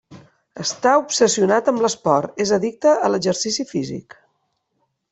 Està obsessionat amb l'esport: és addicte a exercici físic.